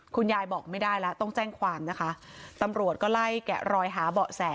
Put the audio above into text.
คุณยายบอกไม่ได้แล้วต้องแจ้งความนะคะตำรวจก็ไล่แกะรอยหาเบาะแส